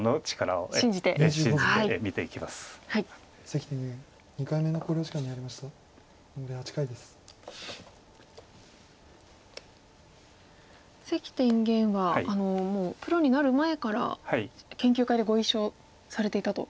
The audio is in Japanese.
関天元はもうプロになる前から研究会でご一緒されていたと。